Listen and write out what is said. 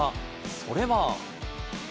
それは。